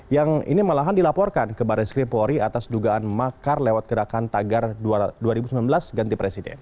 yang ini malahan dilaporkan ke baris krimpori atas dugaan makar lewat gerakan tagar dua ribu sembilan belas ganti presiden